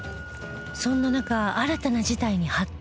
そんな中新たな事態に発展